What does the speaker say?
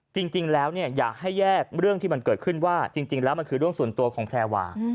จริงแล้วอยากให้แยกเรื่องที่มันเกิดขึ้นว่าจริงแล้วมันคือเรื่องส่วนตัวของแพรวา